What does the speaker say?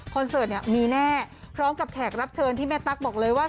เสิร์ตเนี่ยมีแน่พร้อมกับแขกรับเชิญที่แม่ตั๊กบอกเลยว่า